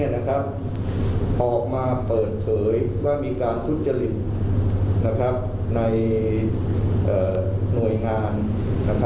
ทั้งหมดนี้นะครับออกมาเปิดเผยว่ามีการทุจริงนะครับในอ่ะหน่วยงานนะครับ